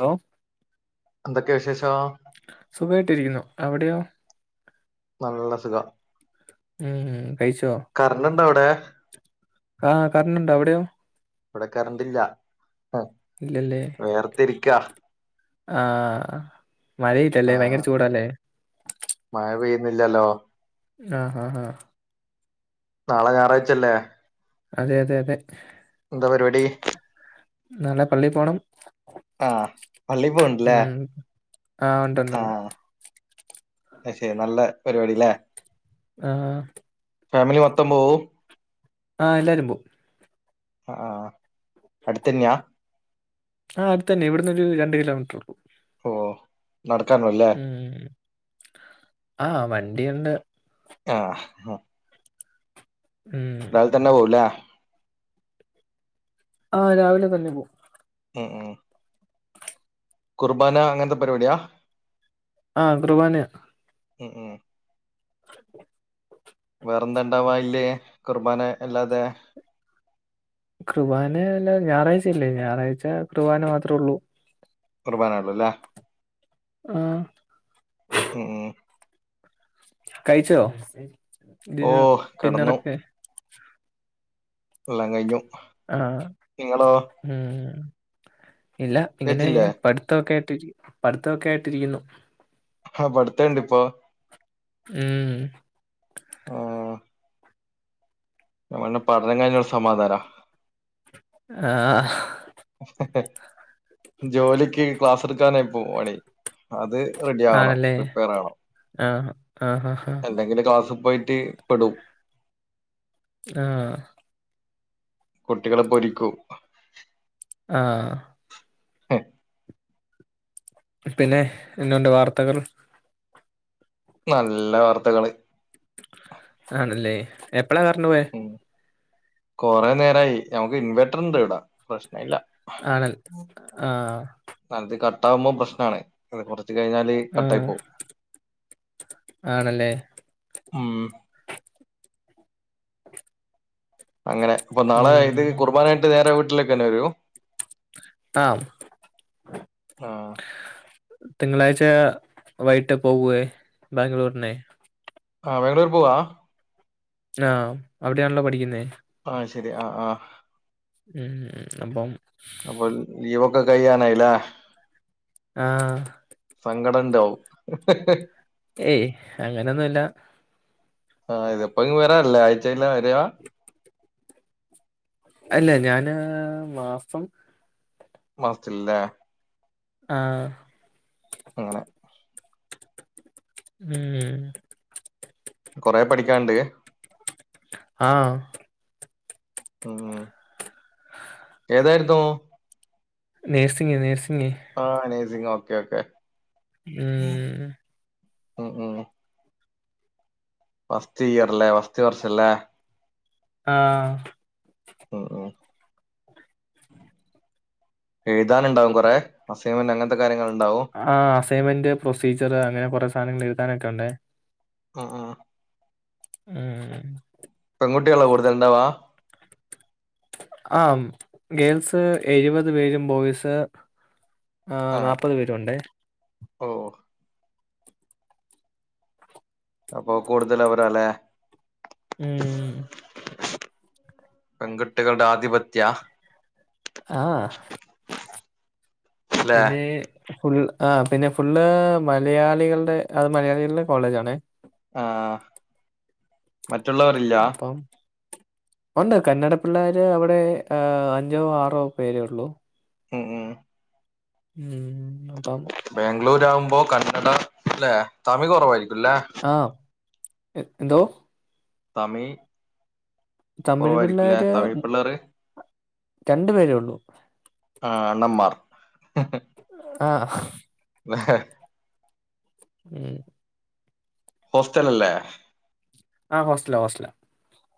Hello എന്തൊക്കെ വിശേഷം? സുഖായിട്ടിരിക്കുന്നു. അവിടയോ? നല്ല സുഖം ആഹ് ഹ് കഴിച്ചോ [unintelligible] ആഹ് കറന്റുണ്ട് അവിടയോ ഇവിടെ കറണ്ടില്ല വേർതിരിക്കാ ആഹ് ആ, മഴയില്ലല്ലേ ഭയങ്കര ചൂടാല്ലേ മഴ പെയ്യുന്നില്ലല്ലോ ആഹ് ആഹ് ഹ നാളെ ഞായറാഴ്ചല്ലേ അതെ അതെ അതെ എന്താ പരിപാടി നാളെ പള്ളീ പോണം ആഹ് പള്ളീ പോവണ്ട് ല്ലേ ഉം. ആ ഉണ്ടുണ്ടുണ്ട്. ആഹ് അത് ശരി നല്ല പരിപാടി ല്ലേ ആഹ് ഫാമിലി മൊത്തം പോവും ആഹ് എല്ലാരും പോവും ആഹ് അടുത്ത് തന്നെയാ ആഹ് അടുത്ത് തന്നെ ഇവിടുന്ന് ഒരു രണ്ട് കിലോമീറ്റർ ഉള്ളൂ ഓഹ് ഉം ആഹ് വണ്ടിയുണ്ട് ആഹ് ആഹ് ഉം. രാവിലെ തന്നെ പോവും ല്ലേ ആഹ് രാവിലെ തന്നെ പോവും ഉം ഉം കുർബാന അങ്ങനത്തെ പരിപാടിയാ ആഹ് കുർബാനയാ ഉം ഉം [inaudible] വേറെന്താ ഉണ്ടാവാ അയില്? കുർബാന അല്ലാതെ കുർബാന അല്ലാ ഞായറാഴ്ച അല്ലേ ഞായറാഴ്ച കുർബാന മാത്രേ ഉള്ളൂ കുർബാനേ ഉള്ളു അല്ലേ ആഹ് ഉം ഉം കഴിച്ചോ ഓ, ഡിന്ന കിടന്നു. ഡിന്നറൊക്കെ എല്ലാം കഴിഞ്ഞു ആഹ് നിങ്ങളോ? ഉം ഇല്ല ഇങ്ങനെ കഴിച്ചില്ലേ പഠിത്തമൊക്കെ ആയിട്ട് പഠിത്തമൊക്കെ ആയിട്ട് ഇരിക്കുന്നു ആഹ് പഠത്തം ഇണ്ട് ഇപ്പോ ഉം ആഹ് ഞമ്മന്റെ പഠനം കഴിഞ്ഞാ ഒരു സമാധാനാ ആഹ് ജോലിക്ക് ക്ലാസ് [unintelligible] അത് റെഡി ആവണം ആണല്ലേ പ്രിപേർ ആവണം ആഹ് ആഹ് ആഹ് എന്തെങ്കില് ക്ലാസ്സിൽ പോയിട്ട് പെടും ആഹ് കുട്ടികളെ പൊരിക്കൂ ആഹ് [inaudible] പിന്നെ എന്നാ ഉണ്ട് വാർത്തകൾ നല്ല വാർത്തകള് ആണല്ലേ എപ്പളാ കറണ്ടു പോയേ ഉം കൊറേ നേരായി നമുക്ക് ഇൻവെർട്ടർ ഇണ്ട് ഇവിടെ പ്രശ്നം ഇല്ല ആണ ആഹ് ത് കട്ടാവുമ്പോ പ്രശ്നമാണ് അത് കുറ ത്തി കഴിഞ്ഞാല് കട്ടായി ആഹ് പോവും ആണല്ലേ ഉം അങ്ങനെ ഇപ്പൊ നാളെ ഇത് ഉം കുർബാനയായിട്ട് നേരെ വീട്ടിലേക്ക് തന്നെ വരൂ ആഹ് ആ തിങ്കളാഴ്ച വൈകിട്ട് പോകേ ബാംഗ്ലൂരിനെ ആഹ് ബാഗ്ലൂർ പോവാ ആഹ് അവിടെയാണല്ലോ പഠിക്കുന്നേ ആ ശരി ആ ആ ഉം അപ്പം ഇവിടെ കയ്യാനായില്ല ആഹ് സങ്കടം ഇണ്ടാവും ഏയ് അങ്ങനെയൊന്നുമില്ല ആഹ് ഇതപ്പ എങ്കിൽ വരാ ആഴ്ചെല്ലാം വരാ അല്ല ഞാന് മാഫും മസ്റ്റ്ല്ലേ ആഹ് അങ്ങനെ ഉം കൊറെ പഠിക്കാണ്ട് ആഹ് ഉം ഏതായിരുന്നു നേഴ്സിംഗ് നേഴ്സി ആ നെഴ്സിംഗ് ഓക്കെ ഓക്കെ ഉം ഉം ഉം ഫസ്റ്റ് ഇയർല്ലേ ഫസ്‌റ്റ് വർഷല്ലേ ആഹ് ഉം ഉം എഴുതാനുണ്ടാവും കൊറെ അസൈമെൻ്റ് അങ്ങനത്തെ കാര്യങ്ങളെ ആ അസൈൻമെന്റ് പ്രൊസീജറ് അങ്ങനെ കൊറെ സാധനങ്ങൾ ഒക്കെ എഴുതാൻ ഒക്കെ ഉണ്ടെ ഉം ഉം ഉം പെൺകുട്ടികളാ കൂടുതൽ ഉണ്ടാവാ ആ ഗേൾസ് എഴുപത് പേരും ബോയ്സ് ആ നാല്പ്പത് പേരും ഉണ്ടെ ഓ അപ്പൊ കൂടുതൽ അവരാല്ലേ ഉം പെൺകുട്ടികളുടെ ആധിപത്യാ ആഹ് അല്ലെ പിന്നെ ഫുൾ ആ പിന്നെ ഫുള്ള് മലയാളികളുടെ അത് മലയാളികളുടെ കോളേജ് ആണേ ആഹ മറ്റുള്ളവർ ഇല്ല അപ്പം ഉണ്ട് കന്നട പിള്ളേർ അവിടെ അഞ്ചോ ആറോ പേരെ ഉള്ളൂ ഉം ഉം ഉം ബാംഗ്ലൂർ ആഉമ്പോ കന്നഡ അല്ലെ തമിഴ് കുറവായിരിക്കുംല്ലേ എഹ് എന്തോ തമിഴ് തമിഴ് കുറവായിരിക്കും അല്ലേ പിള്ളോര് തമിഴ് പിള്ളേർ രണ്ടു പേരെ ഉള്ളൂ ആഹ് അണ്ണമാർ ആഹ് മെഹേ ഉം ഹോസ്റ്റൽ അല്ലേ? ആഹ് ഹോസ്റ്റല ഹോസ്റ്റല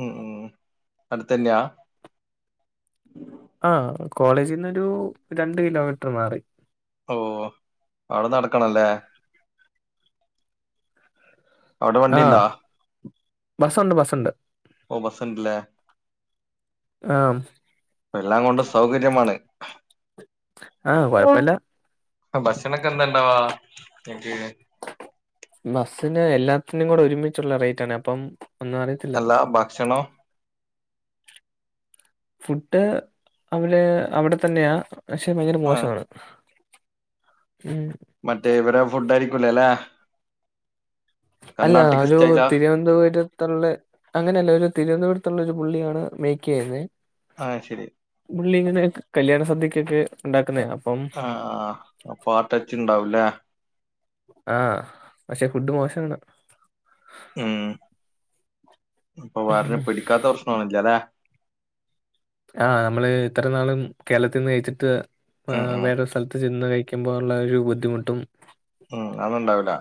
ഉം ഉം അടുത്തന്നെയാ ആഹ് കോളേജിന്ന് ഒരു രണ്ട് കിലോമീറ്റർ മാറി ഓഹ് അവിടെ നടക്കണല്ലേ അവിടെ ആ വണ്ടിണ്ടോ? ബസ്സുണ്ട് ബസ്സുണ്ട് ഓഹ് ബസ്സ്ണ്ട്ല്ലേ ആ എല്ലാം കൊണ്ട് സൗകര്യമാണ്. ആഹ് കൊഴപ്പല്ല ഭക്ഷണൊക്കെ എന്താണ്ടവാ എനിക്ക് അതിന് എല്ലാത്തിനും കൂടെ ഒരുമിച്ചുള്ള റേറ്റ് ആണ് അപ്പം ഒന്നും അറിയത്തില്ല അല്ലാ ഭക്ഷണോ ഫുഡ് അവര് അവിടെ തന്നെയാ പക്ഷെ ഭയങ്കര ആ മോശമാണ് ഉം മറ്റേ ഇവരെ ഫുഡ് ആരിക്കുല്ലേ അല്ല ഒരു തിരുവനന്തപുരത്തുള്ള അങ്ങനെയല്ല ഒരു തിരുവനന്തപുരത്തുള്ളരു പുള്ളിയാണ് മേക്ക് ചെയുന്നെ ആ ശരി പുള്ളി ഇങ്ങനെ കല്യാണ സദ്യക്കൊക്കെ ഉണ്ടാകുന്നെ ആഹ് ആഹ് അപ്പോ ആ ടച്ച്‌ ഇണ്ടാവൂലേ ആഹ് പക്ഷെ ഫുഡ് മോശാണ് ഉം അപ്പൊ പറഞ്ഞ് പിടിക്കാത്ത പ്രശ്നണില്ലേ ആഹ് നമ്മള് ഇത്ര നാളും കേരളത്തിൽ നിന്ന് കഴിച്ചിട്ട് ഉം ഉം വേറൊരു സ്ഥലത്ത് ചെന്ന് കഴി ക്കുമ്പൊള്ളൊരു ബുദ്ധിമുട്ടും ഉം അതൊന്നുണ്ടാവൂല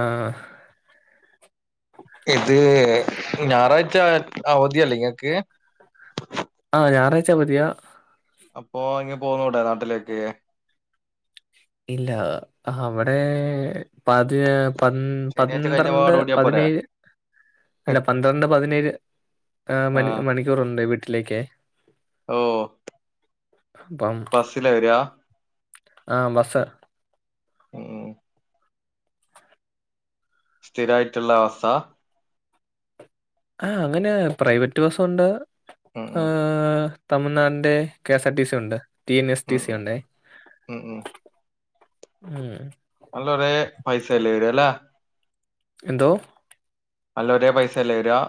ആഹ് ച്ചവരെ അവധിയല്ലേ നിങ്ങക്ക് ആഹ് ഞായറാഴ്ച്ചാ അവധിയാ അപ്പൊ ഇങ്ങ് പോന്നൂടെ നാട്ടിലേക്ക് ഇല്ല അവിടെ പതിന പന് ശനിയാഴ്ച കഴിഞ്ഞ പന്ത്രണ്ട് പാട് ഓടിയാ പോരെ പതിനേഴ് അല്ല പന്ത്രണ്ട് പതിനേഴ് മണി മണിക്കൂറുണ്ട് വീട്ടിലേക്കേ ഓഹ് അപ്പം ബസ്സിലാ വരികാ ആഹ് ബസ്സാ മ് സ്ഥിരായിട്ടുള്ള ബസ്സാ ആ അങ്ങനെ പ്രൈവറ്റ് ബസ്സുണ്ട് ഉം ഉം ആഹ് തമിഴ്നാടിന്റെ K S R T C ഉണ്ട് ടി എൻ എസ് ടി ഉം സി ഉം ഉണ്ടേ ഉം ഉം. ഉം നല്ല ഒര പൈസല്ലേ വരിക അല്ല എന്തോ സല്ല ഒരേ പൈസല്ലേ വരികാ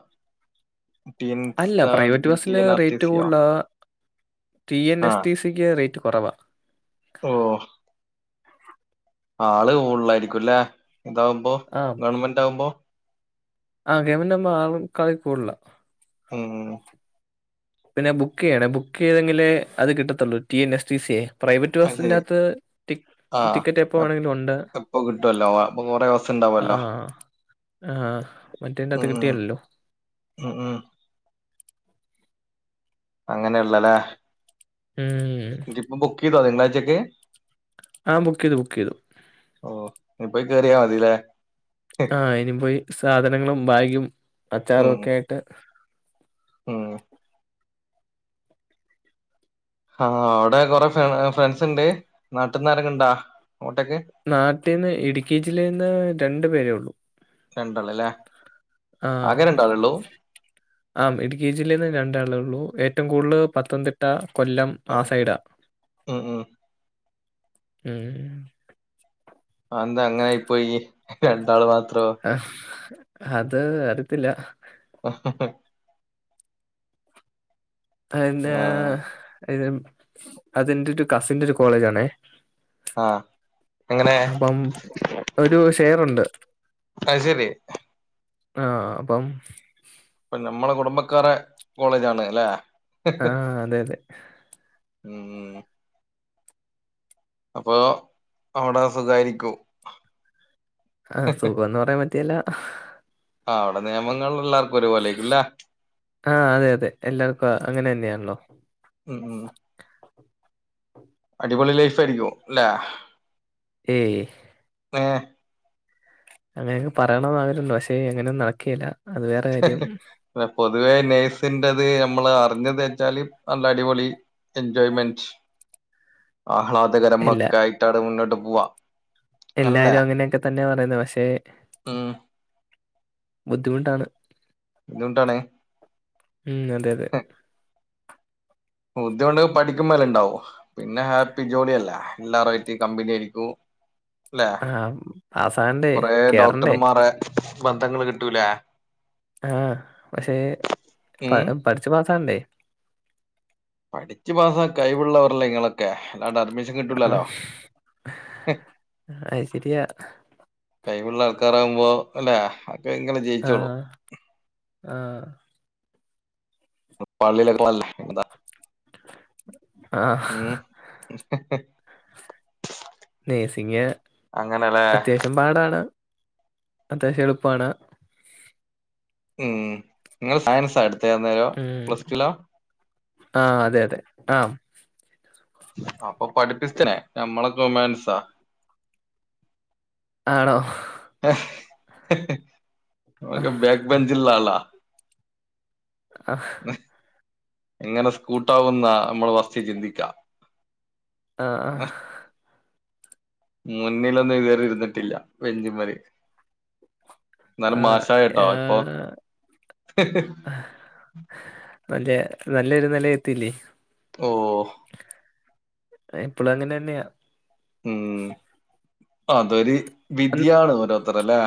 അല്ല പ്രൈവറ്റ് ബസിന് ടി റേറ്റ് സിയോ കൂടുതലാ ടി എൻ ആ എസ് ടി സിക്ക് റേറ്റ് കുറവാ ഓ ആള് കൂടുലായിരിക്കുംല്ലേ ഇതാവുമ്പോ ഗവൺമെന്റ് ആകുമ്പോ ആഹ് ഗവണ്മെന്റ് ആകുമ്പോ ആളും ഇച്ചിരി കൂടുതലാ ഉം പിന്നെ ബുക്ക് ചെയ്യണേ ബുക്ക് ചെയ്തെങ്കില് അത് കിട്ടത്തുള്ളൂ ടി എൻ എസ് ടി സിയെ പ്രൈവറ്റ് അത് ശരി ബസ്സിന്റെകത്ത് ആ ടിക്കറ്റ് എപ്പ എപ്- വേണെങ്കിലും ഉണ്ട് എപ്പോ കിട്ടുമല്ലോ അപ്പൊ കൊറേ ബസ് ഉണ്ടാവുമല്ലോ ആഹ് ആഹ് മറ്റേന്റെ അത്ത് കിട്ടിയല്ലല്ലോ ആ ആ അങ്ങനെയ ഉള്ളല്ലേ ഉം എന്നിട്ടിപ്പൊ ബുക്ക് ചെയ്തോ തിങ്കളാഴ്ചക്ക് ആ ബുക്ക് ചെയ്തു ബുക്ക് ചെയ്തു ഓ ഇപ്പൊ കേറിയാ മതില്ലേ ആ ഇനി പോയി സാധനങ്ങളും ബാഗും അച്ചാറും ഉം ഒക്കെ ആയിട്ട് ഉം ആഹ് അവിടെ കൊറെ ഫ്രണ്ട്സ് ഉണ്ട് നാട്ടന്നരൊക്കെ ഇണ്ടാ അങ്ങോട്ടേക്ക് നാട്ടിൽന്ന് ഇടുക്കി ജില്ലയിൽന്ന് രണ്ടു പേരേ ഉള്ളു രണ്ടാളല്ലേ ആന് ആകെ രണ്ടാളുള്ളൂ ആ ഇടുക്കി ജില്ലയിന്ന് രണ്ടാളുകൾ ള്ളൂ ഏറ്റവും കൂടുതൽ പത്തംതിട്ട കൊല്ലം ആ സൈഡാ ഉം ഉം ഉം എന്താ അങ്ങനെ ഇ പോയി രണ്ടാൾ മാ ആഹ് അത് അറിയത്തില്ല ആഹ് അ ആ അതെന്റെ ഒരു കസിന്റെ ഒരു കോളേജ് ആണേ ആ അങ്ങനെ അപ്പം ഒരു ഷെയർണ്ട് അയ്ശരി ആഹ് അപ്പം ഇപ്പൊ നമ്മളെ കുടുംബക്കാര കോളേജ് ആണ് അല്ലെ ആഹ് അതെ അതെ ഉം ഉം അപ്പൊ അവിടെ സുഖാരിക്കും ആഹ് സുഖംന്ന് പറയാൻ പറ്റിയല്ല ആ അവിടെ നിയമങ്ങൾ എല്ലാവർക്കും ഒരുപോലെേക്കുംല്ല ആഹ് അതെ അതെ എല്ലാർക്കും അങ്ങനെ തന്നെയാണല്ലോ ഉം ഉം അടിപൊളി ലൈഫ് ആയിരിക്കും അല്ലെ ഏയ് ആഹ് അങ്ങനെയെ പറയണന്ന് ആഗ്രഹമണ്ടോ പക്ഷേ എങ്ങനെും നടക്കയില്ല പൊതുവേ നെയ്സിന്റെതഹ് നമ്മള് പറഞ്ഞു തച്ചാല് നല്ല അടിപൊളി എൻജോയ്മെന്റ് എല്ലാ ആഹ്ലാദകരമൊക്കെ ആയിട്ട് അടെ മുന്നോട്ട് പോവാ അങ്ങനല്ലേ എല്ലാരും അങ്ങനെയൊക്കെ തന്നെ പറയുന്നു പക്ഷെ ഉം ബുദ്ധിമുട്ടാണ് എന്തുകൊണ്ടാാണ് ഉം അതെ അതെ ബുദ്ധിമുണ്ട് പഠിക്കുമ്പോല ഇണ്ടാവും പിന്നെ ഹാപ്പി ജോലിയല്ല എല്ലാവാരും ആറ്റി കമ്പനി ആയിരിക്കും അല്ലെ ആഹ് പാസ്സാകണ്ടേ കൊറേ കേറണ്ടേ ഡോക്ടർമാരെ ബന്ധങ്ങള്ൾ കിട്ടൂലേ ആഹ് പക്ഷേ പ ഉം പഠിച്ചു പാസാണ്ടേ പഠിച്ചു പാസാ കൈവിള്ളവർല്ലേ നിങ്ങളൊക്കെ അല്ലാണ്ട അഡ്മിഷൻ ആഹ് കിട്ടുലല്ലോ അത് ശരിയാ കൈവുള്ള ആൾക്കാരാകുമ്പോ അല്ലെ ഇങ്ങനെ ജയിച്ചോളൂ ആഹ് ആഹ് പള്ളിയിലൊക്കെല്ലേ അതാ ആഹ് ഉം നഴ്സിങ് അങ്ങനെല്ലേ അത്യാവശ്യം പാടാണ് അത്യാവശ്യം എളുപ്പാണ് ഉം നിങ്ങള് സയൻസാ എടു ഉം ആ അതെ അതെ ആഹ് അപ്പൊ പഠിപ്പിസ്റ്റനെ ഞമ്മളൊക്ക ഹ്യുമാനിറ്റീസാ ആണോ ഒക്കെ ആഹ്. ബാക്ക് ബെൻജിൽ ഉള്ള ആളാ ആഹ് എങ്ങനെ സ്കൂട്ടാവുന്ന നമ്മൾ ഫസ്റ്റ് ചിന്തിക്കാ ആഹ് ആഹ് മുന്നിലൊന്നും കോറി ഇരുന്നിട്ടില്ല ബെഞ്ചുമ്മെല് എന്നാലും ആഹ്. മാഷായിട്ടോ ഇപ്പൊ ഫോൺ ഹ്ഹ് നല്ലേ നല്ലൊരു നില എത്തില്ലേ ഓഹ് എപ്പളും അങ്ങനന്നെയാ ഉം അതൊരു അൻ വിധിയാണ് ഓരോരുത്തർഡേ അല്ലേ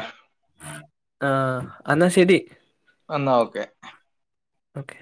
ആഹ് അന്നാ ശരി എന്നാ ഓക്കെ ഓക്കെ